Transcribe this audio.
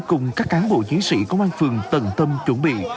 cùng các cán bộ chiến sĩ công an phường tận tâm chuẩn bị